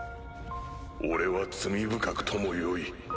俺は罪深くともよい。